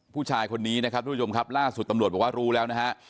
ผู้ชายคนนี้นะครับทุกผู้ชมครับล่าสุดตำรวจบอกว่ารู้แล้วนะฮะ